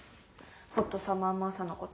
「ホットサマー・マーサ」のこと。